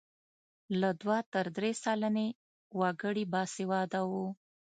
له دوه تر درې سلنې وګړي باسواده وو.